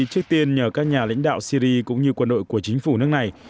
trước tiên nhờ các nhà lãnh đạo syri cũng như quân đội của chính phủ nước này